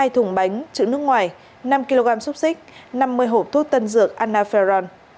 hai thùng bánh trứng nước ngoài năm kg xúc xích năm mươi hộp thuốc tân dược anaferron